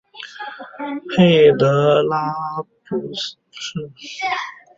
佩德雷拉斯是巴西马拉尼昂州的一个市镇。